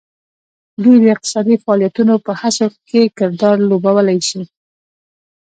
دوی د اقتصادي فعالیتونو په هڅونه کې کردار لوبولی شي